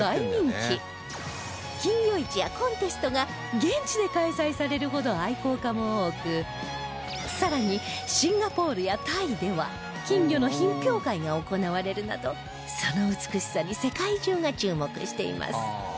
金魚市やコンテストが現地で開催されるほど愛好家も多く更にシンガポールやタイでは金魚の品評会が行われるなどその美しさに世界中が注目しています